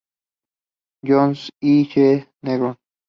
Jones y J. Negrón.